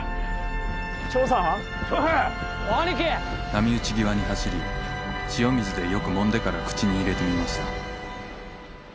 「波打ち際に走り塩水でよくもんでから口に入れてみました」